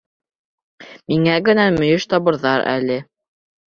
Миңә генә мөйөш табырҙар әле.